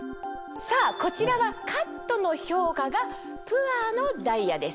さぁこちらはカットの評価がプアーのダイヤです。